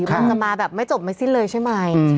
มันจะมาแบบไม่จบไม่สิ้นเลยใช่ไหม